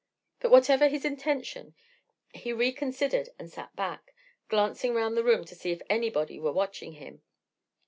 But whatever his intention, he reconsidered and sat back, glancing round the room to see if anybody were watching him.